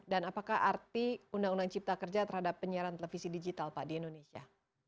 dan apakah arti undang undang cipta kerja terhadap penyiaran televisi digital pak di indonesia